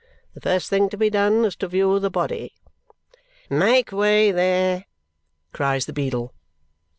The first thing to be done is to view the body." "Make way there!" cries the beadle.